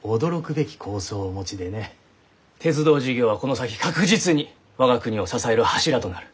鉄道事業はこの先確実に我が国を支える柱となる。